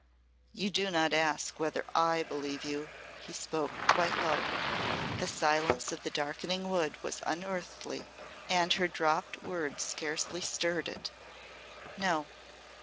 "You do not ask whether I believe you?" he spoke quite low. The silence of the darkening wood was unearthly and her dropped word scarcely stirred it. "No."